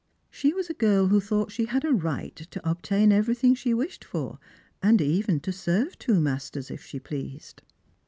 She was a girl who thought she had a right to obtain every thing she wished for, and even to serve two masters if she pleased.